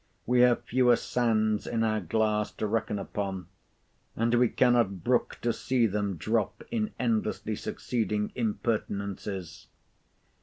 We have fewer sands in our glass to reckon upon, and we cannot brook to see them drop in endlessly succeeding impertinences.